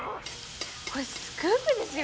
これスクープですよ！